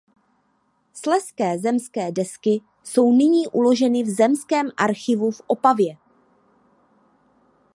Slezské zemské desky jsou nyní uloženy v Zemském archivu v Opavě.